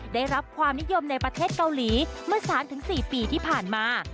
ได้รับความนิยมในประเทศเกาหลีเมื่อ๓๔ปีที่ผ่านมา